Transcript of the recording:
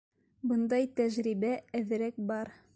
— Бындай тәжрибә әҙерәк бар.